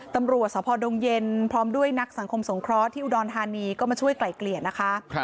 ตำรวจสพดงเย็นพร้อมด้วยนักสังคมสงเคราะห์ที่อุดรธานีก็มาช่วยไกล่เกลี่ยนะคะ